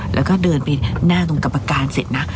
แล้วก็เดินไปหน้าตรงกรรมการเสร็จนะ